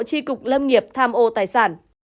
chi cục lâm nghiệp tham ô tài sản